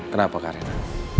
kenapa kak reina